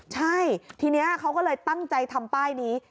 ใช่ทีนี้เขาก็เลยตั้งใจทำป้ายนี้